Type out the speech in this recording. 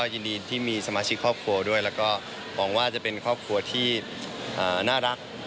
อยู่หายที่ครอบครัวด้วยแล้วก็มองว่าจะเป็นครอบครัวที่น่ารักอีกคู่นึง